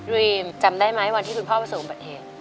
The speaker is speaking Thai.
รีมจำได้ไหมวันที่คุณพ่อประสบอุบัติเหตุ